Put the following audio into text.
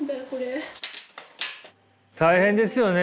大変ですよね。